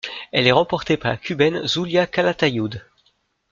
Elle est remportée par la Cubaine Zulia Calatayud.